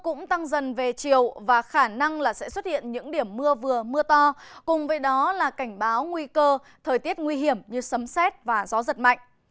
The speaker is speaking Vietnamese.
cũng tăng dần về chiều và khả năng là sẽ xuất hiện những điểm mưa vừa mưa to cùng với đó là cảnh báo nguy cơ thời tiết nguy hiểm như sấm xét và gió giật mạnh